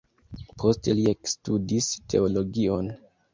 Poste li ekstudis teologion.